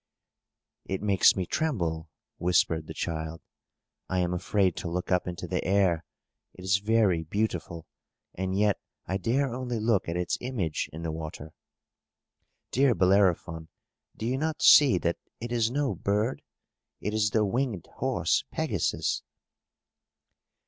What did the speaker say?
"It makes me tremble!" whispered the child. "I am afraid to look up into the air! It is very beautiful, and yet I dare only look at its image in the water. Dear Bellerophon, do you not see that it is no bird? It is the winged horse Pegasus!"